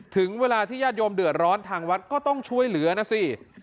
ถึงเวลาที่ญาติโยมเดือดร้อนทางวัดก็ต้องช่วยเหลือนะสิ